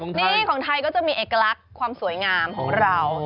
นี่ของไทยก็จะมีเอกลักษณ์ความสวยงามของเรา